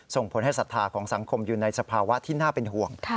ส่งผลให้ศรัทธาของสังคมอยู่ในสภาวะที่น่าเป็นห่วง